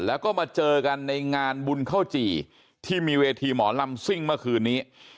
แล้วก็มาเจอกันในงานบุญข้าวจี่ที่มีเวทีหมอลำซิ่งเมื่อคืนนี้